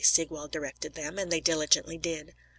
Sigwald directed them, and they diligently did.